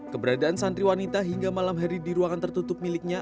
keberadaan santriwanita hingga malam hari di ruangan tertutup miliknya